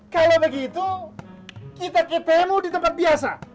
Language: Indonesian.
kalau begitu kita ke temu di tempat biasa